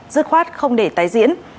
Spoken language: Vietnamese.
dứt khoát không để tái diễn